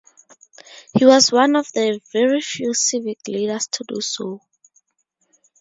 He was one of the very few civic leaders to do so.